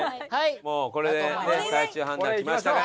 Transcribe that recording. もうこれで最終判断きましたから。